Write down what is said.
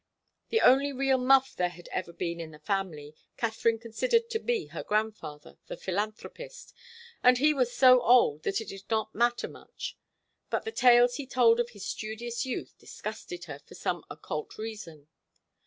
The only real 'muff' there had ever been in the family Katharine considered to be her grandfather, the philanthropist, and he was so old that it did not matter much. But the tales he told of his studious youth disgusted her, for some occult reason.